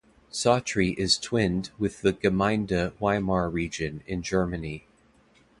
Sawtry is twinned with the Gemeinde Weimar region in Germany.